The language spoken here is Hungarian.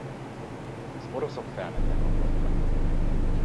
Az oroszok felmentek a Holdra.